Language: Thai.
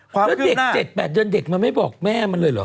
ความคืบหน้าเด็ก๗๘เดือนเด็กมันไม่บอกแม่มันเลยเหรอ